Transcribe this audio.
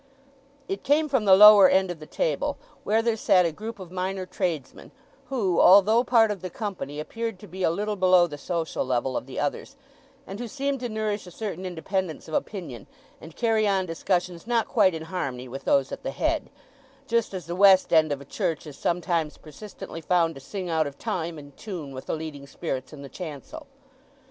It came from the lower end of the table, where there sat a group of minor tradesmen who, although part of the company, appeared to be a little below the social level of the others; and who seemed to nourish a certain independence of opinion and carry on discussions not quite in harmony with those at the head; just as the west end of a church is sometimes persistently found to sing out of time and tune with the leading spirits in the chancel.